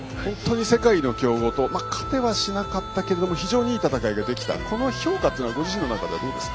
世界の強豪と勝てはしなかったけれども非常にいい戦いができた評価はご自身の中ではどうですか？